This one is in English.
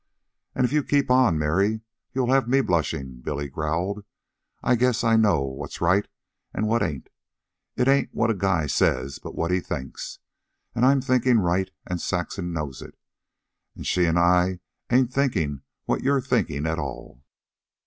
"An' if you keep on, Mary, you'll have me blushing," Billy growled. "I guess I know what's right an' what ain't. It ain't what a guy says, but what he thinks. An' I'm thinkin' right, an' Saxon knows it. An' she an' I ain't thinkin' what you're thinkin' at all."